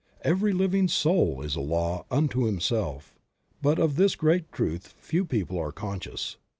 Every living soul is a law unto himself, but of this great truth few people are conscious.